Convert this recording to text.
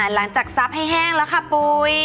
ซับให้แห้งแล้วค่ะปุ๋ย